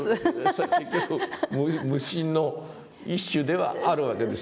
それも結局無心の一種ではあるわけですよ。